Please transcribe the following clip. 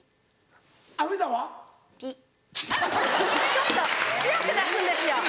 ちょっと強く出すんですよ。